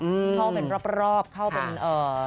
เข้าเป็นรอบเข้าบนที่